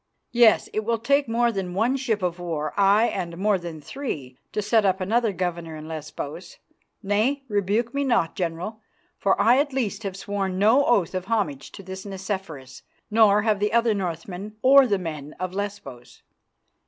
Yes, it will take more than one ship of war, aye, and more than three, to set up another governor in Lesbos. Nay, rebuke me not, General, for I at least have sworn no oath of homage to this Nicephorus, nor have the other Northmen or the men of Lesbos."